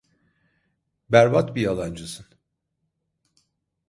Berbat bir yalancısın.